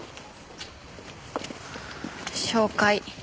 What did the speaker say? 紹介。